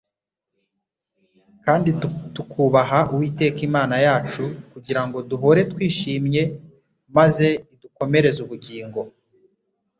kandi tukubaha Uwiteka Imana yacu kugira ngo duhore twishimye maze idukomereze ubugingo." »